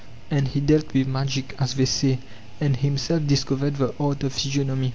And he dealt with magic, as they say, and himself discovered the art of physiognomy.